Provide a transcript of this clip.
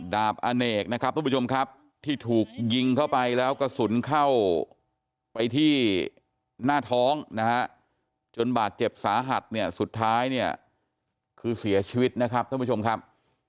อเนกนะครับทุกผู้ชมครับที่ถูกยิงเข้าไปแล้วกระสุนเข้าไปที่หน้าท้องนะฮะจนบาดเจ็บสาหัสเนี่ยสุดท้ายเนี่ยคือเสียชีวิตนะครับท่านผู้ชมครับ